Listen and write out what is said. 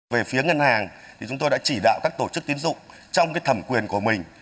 về phía ngân hàng thì chúng tôi đã chỉ đạo các tổ chức tiến dụng trong thẩm quyền của mình